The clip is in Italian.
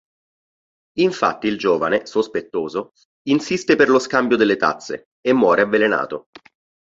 Infatti il giovane, sospettoso, insiste per lo scambio delle tazze, e muore avvelenato.